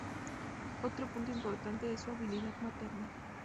Otro punto importante es su habilidad materna.